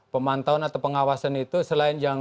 pemantauan atau pengawasan itu selain yang